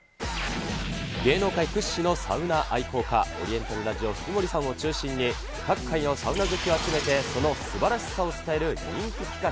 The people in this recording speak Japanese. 芸能界屈指のサウナ愛好家、オリエンタルラジオ・藤森さんを中心に、各界のサウナ好きを集めて、そのすばらしさを伝える人気企画。